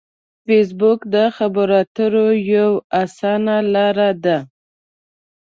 فېسبوک د خبرو اترو یوه اسانه لار ده